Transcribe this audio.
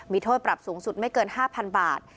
มีโทษปรับสูงสุดไม่เกิน๕๐๐๐บาท